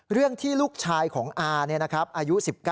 เรื่องที่ลูกชายของอาเนี่ยนะครับอายุ๑๙ปี